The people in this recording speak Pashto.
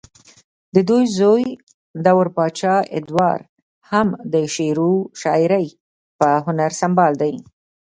ددوي زوے دور بادشاه ادوار هم د شعرو شاعرۍ پۀ هنر سنبال دے